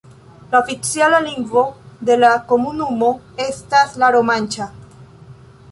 La oficiala lingvo de la komunumo estas la romanĉa.